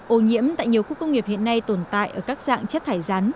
ô nhiễm tại nhiều khu công nghiệp hiện nay tồn tại ở các dạng chất thải rắn